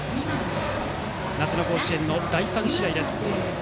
夏の甲子園の第３試合です。